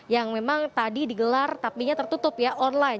yang memang tadi digelar tapi nya tertutup ya online